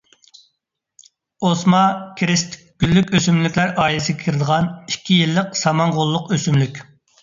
ئوسما -- كىرېست گۈللۈك ئۆسۈملۈكلەر ئائىلىسىگە كىرىدىغان، ئىككى يىللىق سامان غوللۇق ئۆسۈملۈك.